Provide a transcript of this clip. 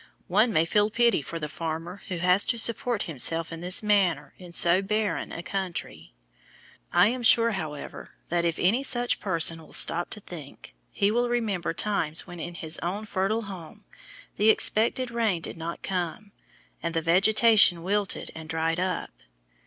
One may feel pity for the farmer who has to support himself in this manner in so barren a country. I am sure, however, that if any such person will stop to think, he will remember times when in his own fertile home the expected rain did not come, and the vegetation wilted and dried up.